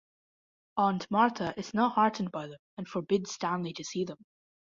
Aunt Martha is not heartened by them and forbids Stanley to see them.